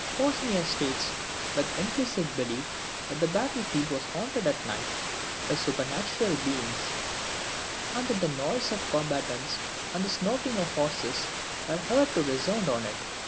[Pausanias states, with implicit belief, that the battlefield was haunted at night by supernatural beings, and that the noise of combatants and the snorting of horses were heard to resound on it.